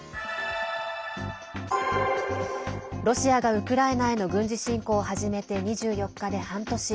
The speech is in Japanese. ロシアがウクライナへの軍事侵攻を始めて２４日で半年。